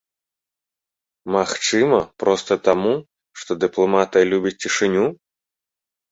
Магчыма, проста таму, што дыпламатыя любіць цішыню?